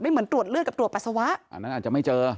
เหมือนตรวจเลือดกับตรวจปัสสาวะอันนั้นอาจจะไม่เจอ